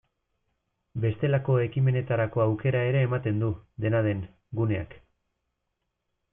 Bestelako ekimenetarako aukera ere ematen du, dena den, guneak.